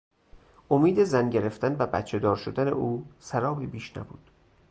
امید زن گرفتن و بچهدار شدن او سرابی بیش نبود.